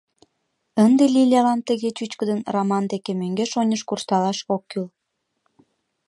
Ынде Лилялан тыге чӱчкыдын Раман деке мӧҥгеш-оньыш куржталаш ок кӱл.